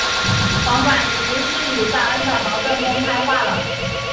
黄绾于是与张璁的矛盾公开化了。